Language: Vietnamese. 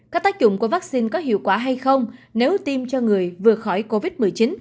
các tác dụng của vaccine có hiệu quả hay không nếu tiêm cho người vừa khỏi covid một mươi chín